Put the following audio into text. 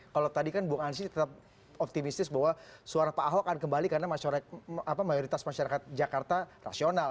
kalau tadi kan bung ansi tetap optimistis bahwa suara pak ahok akan kembali karena mayoritas masyarakat jakarta rasional